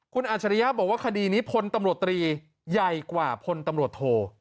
คุณอัจฉริยะบอกว่าคดีนี้พลตำรวจตรีใหญ่กว่าพลตำรวจโท